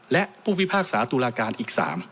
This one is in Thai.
และผู้พิพากษาตุลาการอีก๓